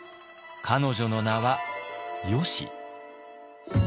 彼女の名は「よし」。